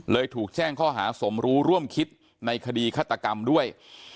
ถูกแจ้งข้อหาสมรู้ร่วมคิดในคดีฆาตกรรมด้วย